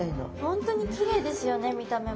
本当にきれいですよね見た目も。